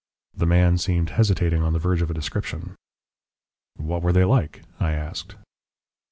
The man seemed hesitating on the verge of a description. "What were they like?" I asked.